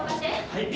はい。